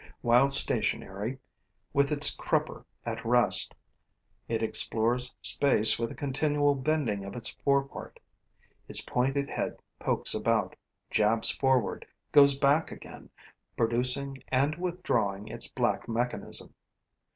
When stationary, with its crupper at rest, it explores space with a continual bending of its fore part; its pointed head pokes about, jabs forward, goes back again, producing and withdrawing its black mechanism.